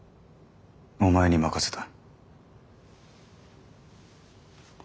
お前に任せた。